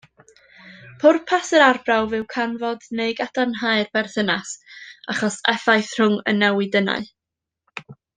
Pwrpas yr arbrawf yw canfod neu gadarnhau'r berthynas achos-effaith rhwng y newidynnau.